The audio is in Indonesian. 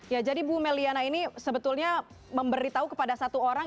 ya jadi ibu may liana ini sebetulnya memberitahu kepada satu orang